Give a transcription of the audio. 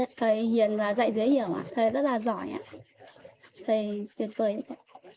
thầy hiền và dạy dễ hiểu thầy rất là giỏi thầy tuyệt vời